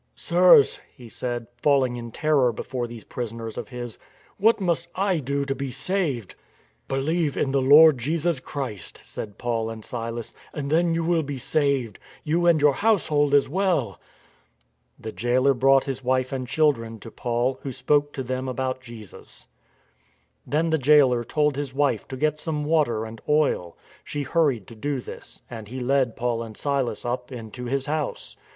" Sirs," he said, falling in terror before these pris oners of his, " what must I do to be saved? "" Believe in the Lord Jesus Christ," said Paul and Silas, " and then you will be saved, you and your household as well." The jailer brought his wife and his children to Paul, who spoke to them about Jesus. Then the jailer told his wife to get some water and oil. She hurried to do this, and he led Paul and Silas up into his house.